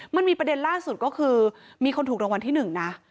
มันมีประเด็นล่าสุดก็คือมีคนถูกรางวัลที่๑นะ